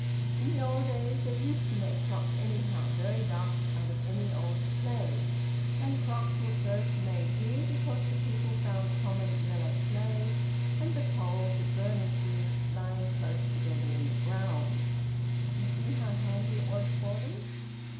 In the old days they used to make crocks anyhow, very rough, out of any old clay. And crocks were first made here because the people found common yellow clay, and the coal to burn it with, lying close together in the ground. You see how handy it was for them."